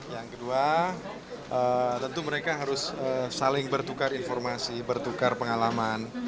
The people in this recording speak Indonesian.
yang kedua tentu mereka harus saling bertukar informasi bertukar pengalaman